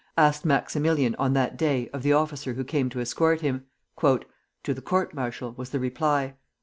asked Maximilian on that day of the officer who came to escort him. "To the court martial," was the reply.